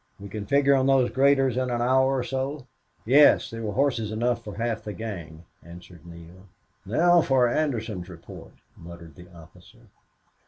We can figure on those graders in an hour or so?" "Yes. There were horses enough for half the gang," answered Neale. "Now for Anderson's report," muttered the officer.